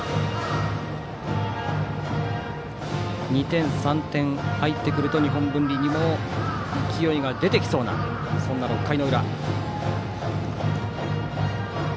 ２点、３点入ってくると日本文理にも勢いが出てきそうな６回の裏。